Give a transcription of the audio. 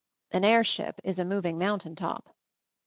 (^Ah airship is a moving mountain top.